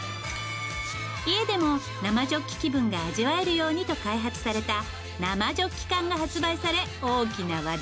家でも生ジョッキ気分が味わえるようにと開発された生ジョッキ缶が発売され大きな話題に。